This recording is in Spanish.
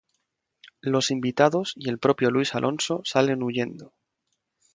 Los invitados y el propio Luis Alonso salen huyendo.